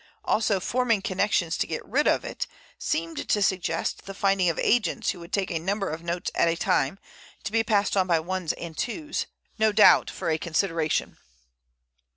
Also "forming connections to get rid of it" seemed to suggest the finding of agents who would take a number of notes at a time, to be passed on by ones and twos, no doubt for a consideration.